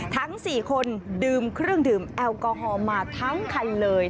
ทั้ง๔คนดื่มเครื่องดื่มแอลกอฮอล์มาทั้งคันเลย